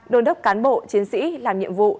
đôn đốc cán bộ chiến sĩ làm nhiệm vụ